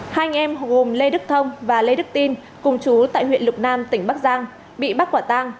hai anh em gồm lê đức thông và lê đức tin cùng chú tại huyện lục nam tỉnh bắc giang bị bắt quả tang